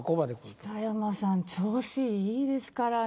北山さん調子いいですからね。